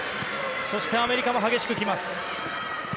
そしてアメリカも激しく来ます。